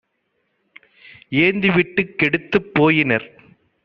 ஏந்தி வீட்டுக் கெடுத்துப் போயினர்.